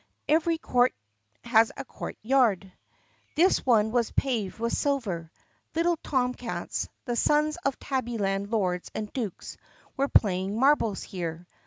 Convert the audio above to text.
(Every court has a courtyard.) This one was paved with silver. Little tom cats, the sons of Tabbyland lords and dukes, were playing marbles here.